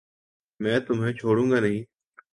میں تمہیں چھوڑوں گانہیں